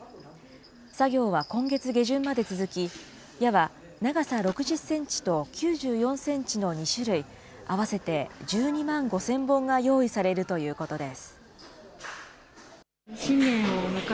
作業は今月下旬まで続き、矢は長さ６０センチと９４センチの２種類、合わせて１２万５０００本が用意されるということです。